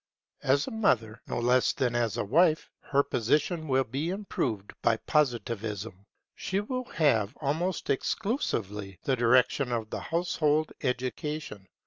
As a mother, no less than as a wife, her position will be improved by Positivism. She will have, almost exclusively, the direction of household education.